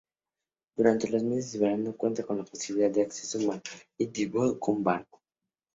Durante los meses de verano cuenta con la posibilidad de acceso marítimo por barco.